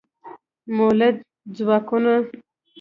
مؤلده ځواکونه د وخت په تیریدو سره پراختیا مومي.